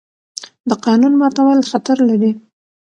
د قانون ماتول خطر لري